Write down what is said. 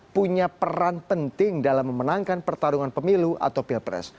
punya peran penting dalam memenangkan pertarungan pemilu atau pilpres